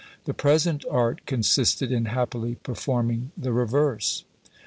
The present art consisted in happily performing the reverse.